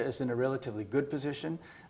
lebih terlalu bergantung